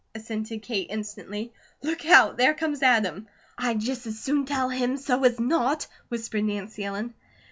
assented Kate, instantly. "Look out! There comes Adam." "I'd just as soon tell him so as not!" whispered Nancy Ellen.